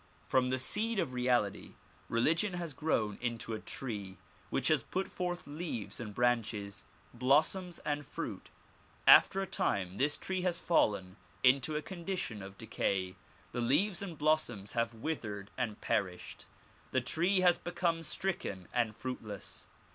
From the seed of reality, religion has grown into a tree which has put forth leaves and branches, blossoms and fruit. After a time this tree has fallen into a condition of decay. The leaves and blossoms have withered and perished; the tree has become stricken and fruitless.